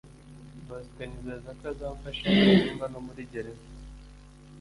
bosco anyizeza ko azamfasha nimva no muri gereza